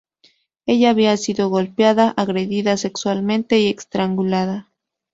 Ella había sido golpeada, agredida sexualmente y estrangulada.